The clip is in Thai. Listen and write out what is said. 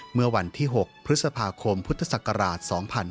เมื่อวันที่๖พฤษภาคมพุทธศักราช๒๕๕๙